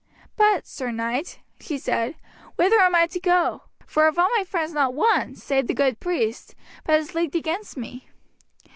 "But, Sir Knight," she said, "whither am I to go? for of all my friends not one, save the good priest, but is leagued against me."